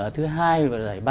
thứ hai và sải ba